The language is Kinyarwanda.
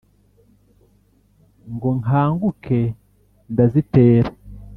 ngo nkanguke ndazitera,